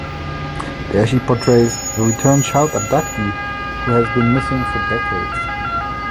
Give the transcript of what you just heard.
There she portrays a returned 'child abductee' who has been missing for decades.